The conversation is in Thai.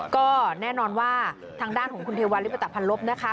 ก็แน่นอนว่าทางด้านของคุณเทวัลลิปตะพันลบนะคะ